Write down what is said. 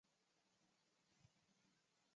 有某种程度的链接